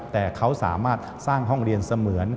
แต่เขาสามารถสร้างห้องเรียนเสมือน